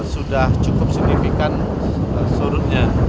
sudah cukup signifikan surutnya